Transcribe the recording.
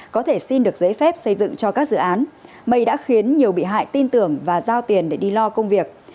có thể xin được giấy phép xây dựng cho các dự án mây đã khiến nhiều bị hại tin tưởng và giao tiền để đi lo công việc